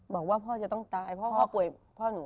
บอกว่าพ่อจะต้องตายเพราะพ่อป่วยพ่อหนู